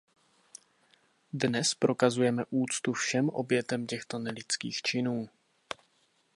Dnes prokazujeme úctu všem obětem těchto nelidských činů.